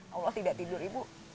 allah tidak tidur ibu